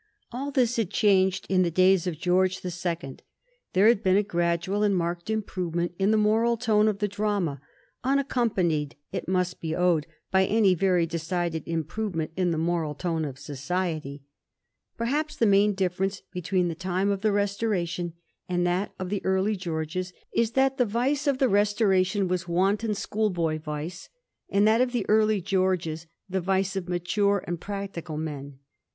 All this had changed in the days of George the Second. There had been a gradual and marked improvement in the moral tone of the drama, unaccompanied, it must be owned, by any very decided improvement in the moral tone of society. Perhaps the main difference between the time of the Restoration and that of the early Georges is that the vice of the Restoration was wanton school boy vice, and that of the early Georges the vice of mature and practical men.